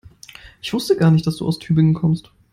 Ich wusste gar nicht, dass du aus Tübingen kommst